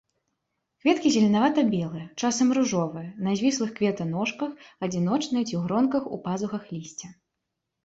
Кветкі зеленавата-белыя, часам ружовыя, на звіслых кветаножках, адзіночныя ці ў гронках у пазухах лісця.